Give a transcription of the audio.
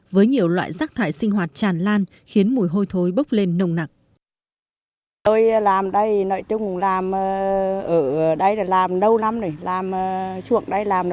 với nhiều loại rác thải sinh hoạt tràn lan khiến mùi hôi thối bốc lên nồng nặng